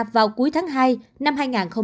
vào cuối tháng hai năm hai nghìn hai mươi